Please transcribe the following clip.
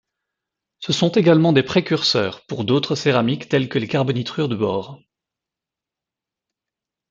Ce sont également des précurseurs pour d'autres céramiques telles que les carbonitrures de bore.